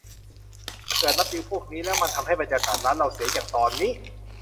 ถ้าเกิดรับดีลพวกนี้แล้วมันทำให้บรรยากาศร้านเราเสีย อย่างตอนนี้